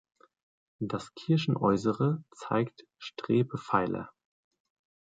Das Kirchenäußere zeigt Strebepfeiler.